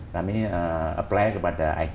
kami apply kepada iq